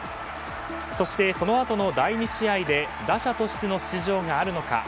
そして、そのあとの第２試合で打者としての出場があるのか。